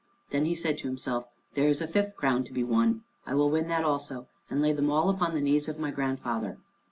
Then he said to himself, "There is a fifth crown to be won. I will win that also, and lay them all upon the knees of my grandfather."